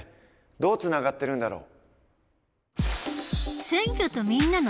どうつながってるんだろう？